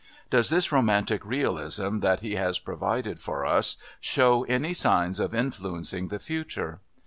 Does this Romantic Realism that he has provided for us show any signs of influencing that future?